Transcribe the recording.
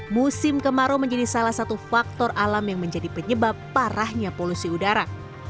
musim kemarau menjadi salah satu faktor alam yang menjadi penyebab parahnya polusi udara